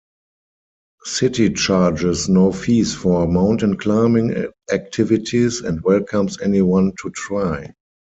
City charges no fees for mountain-climbing activities and welcomes anyone to try.